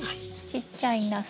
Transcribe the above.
ちっちゃいナス。